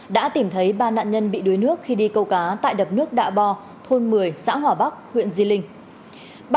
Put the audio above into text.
đã tìm thấy ba nạn nhân bị đuối nước khi đi câu cá tại đập nước đạ bo thôn một mươi xã hòa bắc huyện di linh